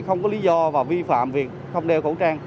không có lý do và vi phạm việc không đeo khẩu trang